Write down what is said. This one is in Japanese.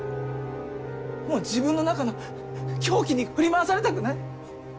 もう自分の中の狂気に振り回されたくない。